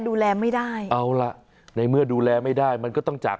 ดูแลไม่ได้เอาล่ะในเมื่อดูแลไม่ได้มันก็ต้องจาก